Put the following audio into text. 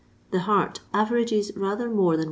The heart averages rather more than Is.